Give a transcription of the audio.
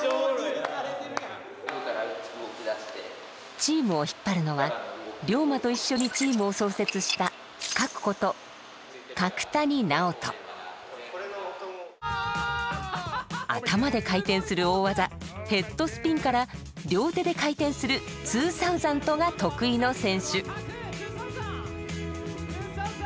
チームを引っ張るのはＲＹＯＭＡと一緒にチームを創設した頭で回転する大技ヘッドスピンから両手で回転するツーサウザンドが得意の選手。